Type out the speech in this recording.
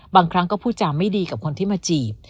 บางครั้งก็พูดจาไม่ดีกับคนที่มาจีบ